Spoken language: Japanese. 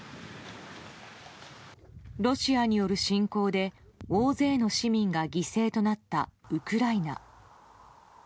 ロシアによる侵攻で大勢の市民が犠牲となったウクライナ。